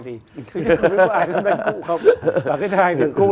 thì không biết có ai đánh cụ không